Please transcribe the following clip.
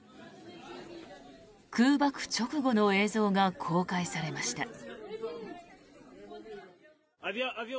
空爆直後の映像が公開されました。